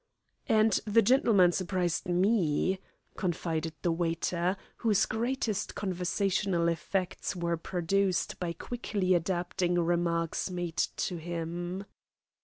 "And the gentleman surprised me," confided the waiter, whose greatest conversational effects were produced by quickly adapting remarks made to him.